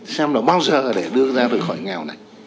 xem là bao giờ là để đưa ra được khỏi nghèo này